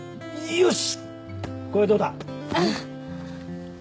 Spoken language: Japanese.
よし。